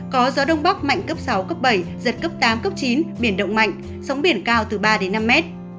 có gió đông bắc mạnh cấp sáu cấp bảy giật cấp tám cấp chín biển động mạnh sóng biển cao từ ba đến năm mét